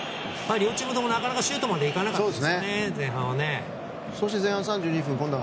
両チームともなかなかシュートまでいかなかったですね、前半は。